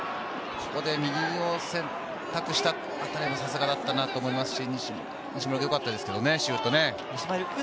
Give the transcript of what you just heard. ここで右を選択したあたりもさすがだったなと思いますし、西丸君、よかったですけどね。